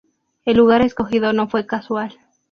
El lugar escogido no fue casual.